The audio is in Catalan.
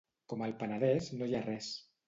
Com el Penedès no hi ha res.